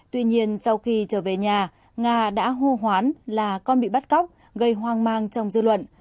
tuy nhiên sau khi trở về nhà nga đã hô hoán là con bị bắt cóc gây hoang mang trong dư luận